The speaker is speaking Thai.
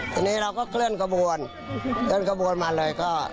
ทีนี้เราก็เคลื่อนขบวนเคลื่อนขบวนมาเลยก็